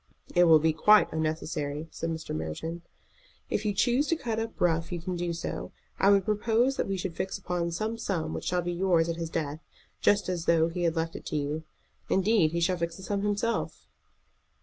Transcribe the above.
"It will be quite unnecessary," said Mr. Merton. "If you choose to cut up rough you can do so. I would propose that we should fix upon some sum which shall be yours at his death, just as though he had left it to you. Indeed, he shall fix the sum himself."